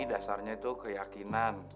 dasarnya itu keyakinan